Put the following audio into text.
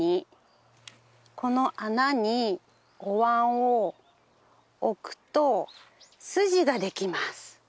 この穴におわんを置くと筋ができます。